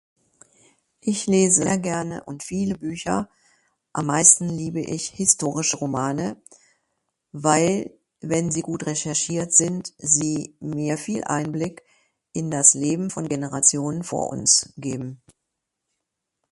Ich les sehr gerne und viele Bücher, am meisten liebe ich historische Romane, weil wenn Sie gut recherchiert sind Sie mir viel Einblick in das Leben von Generationen vor uns geben.